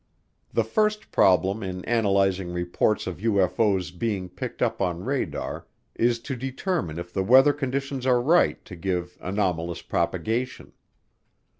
The first problem in analyzing reports of UFO's being picked up on radar is to determine if the weather conditions are right to give anomalous propagation.